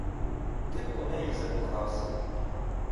Ти б у неї закохався!